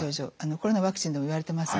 コロナワクチンでもいわれてますね。